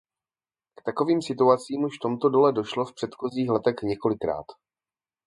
K takovým situacím už v tomto dole došlo v předchozích letech několikrát.